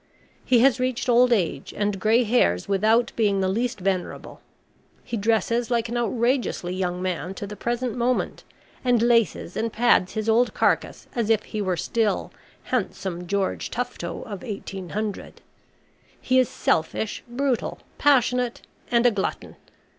He has reached old age and grey hairs without being the least venerable. He dresses like an outrageously young man to the present moment, and laces and pads his old carcass as if he were still handsome George Tufto of 1800. He is selfish, brutal, passionate, and a glutton.